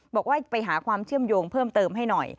บอกว่าไปหาความเชื่อมโยงเพิ่มเติมให้หน่อย